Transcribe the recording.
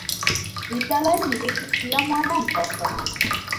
বিদ্যালয়ের নিজস্ব ক্রীড়া ময়দান বর্তমান।